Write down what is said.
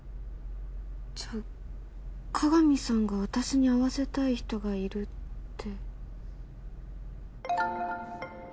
じゃあ加賀見さんが私に会わせたい人がいるって。